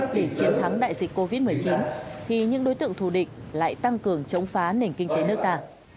để chiến thắng đại dịch covid một mươi chín thì những đối tượng thù địch lại tăng cường chống phá nền kinh tế nước ta